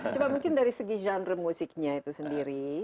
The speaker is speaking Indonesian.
coba mungkin dari segi genre musiknya itu sendiri